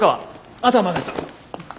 あとは任せた。